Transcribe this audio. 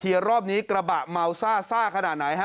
เฮียรอบนี้กระบะเมาซ่าขนาดไหนฮะ